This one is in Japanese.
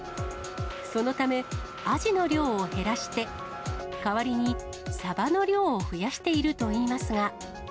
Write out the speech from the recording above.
そのため、アジの量を減らして、代わりにサバの量を増やしているといいますが。